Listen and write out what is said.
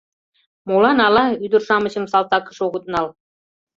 Молан ала ӱдыр-шамычым салтакыш огыт нал?